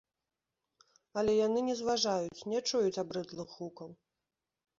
Але яны не зважаюць, не чуюць абрыдлых гукаў.